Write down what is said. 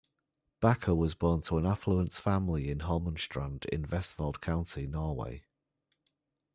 Backer was born to an affluent family in Holmestrand in Vestfold county, Norway.